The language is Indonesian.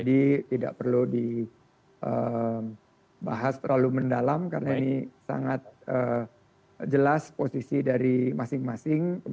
jadi tidak perlu dibahas terlalu mendalam karena ini sangat jelas posisi dari masing masing kementerian